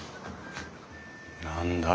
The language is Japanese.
何だ？